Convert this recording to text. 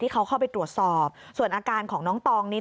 เขาเข้าไปตรวจสอบส่วนอาการของน้องตองนี้